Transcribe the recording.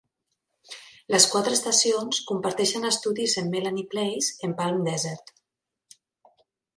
Les quatre estacions comparteixen estudis en Melanie Place en Palm Desert.